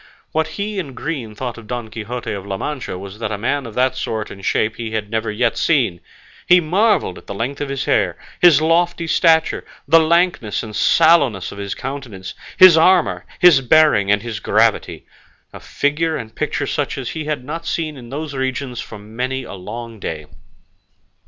What he in green thought of Don Quixote of La Mancha was that a man of that sort and shape he had never yet seen; he marvelled at the length of his hair, his lofty stature, the lankness and sallowness of his countenance, his armour, his bearing and his gravity a figure and picture such as had not been seen in those regions for many a long day.